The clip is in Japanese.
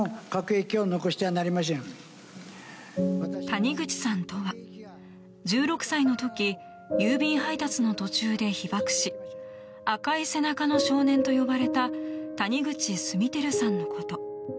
谷口さんとは１６歳の時郵便配達の途中で被爆し赤い背中の少年と呼ばれた谷口稜曄さんのこと。